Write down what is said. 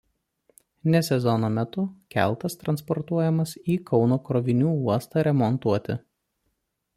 Ne sezono metu keltas transportuojamas į Kauno krovinių uostą remontuoti.